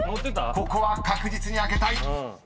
［ここは確実に開けたい］